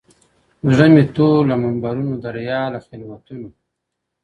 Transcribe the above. • زړه مي تور له منبرونو د ریا له خلوتونو -